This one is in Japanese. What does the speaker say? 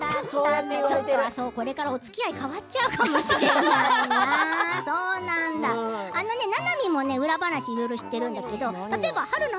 ちょっとこれからおつきあい、変わっちゃうかもしれないな。